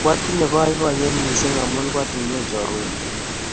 Kwatinnye poipoiyet missing' amun kwatuye chorwennyu